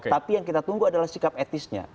tapi yang kita tunggu adalah sikap etisnya